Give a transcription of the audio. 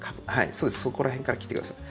そこら辺から切ってください。